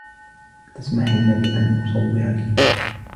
أتسمحين بأن أصوّركِ؟